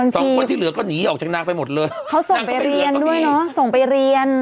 สองคนที่เหลือก็หนีออกจากนางไปหมดเลยเขาส่งไปเรียนด้วยเนอะส่งไปเรียน